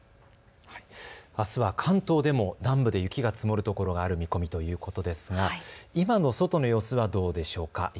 あすは関東でも南部で雪が積もるところがある見込みということですが今の外の様子はどうでしょうか。